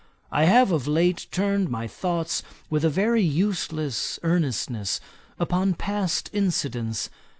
I have of late turned my thoughts with a very useless earnestness upon past incidents.